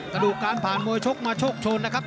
กระดูกการผ่านมวยชกมาโชคชนนะครับ